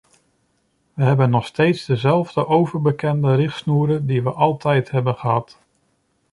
We hebben nog steeds dezelfde overbekende richtsnoeren die we altijd hebben gehad.